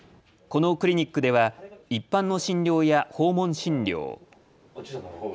このクリニックでは一般の診療や訪問診療。